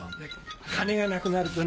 金がなくなるとね